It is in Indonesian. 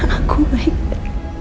dengar aku baiknya